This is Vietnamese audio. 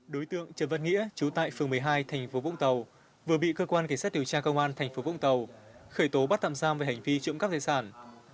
đối tượng trần văn nghĩa trú tại phường một mươi hai tp vũng tàu vừa bị cơ quan kể sát điều tra công an tp vũng tàu khởi tố bắt tạm giam về hành vi trộm gắp tài sản